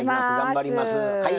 頑張りますはい。